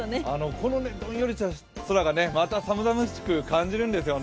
このどんよりした空が、また寒々しく感じるんですよね。